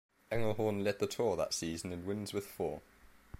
Englehorn led the tour that season in wins with four.